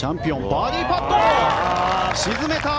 バーディーパット沈めた！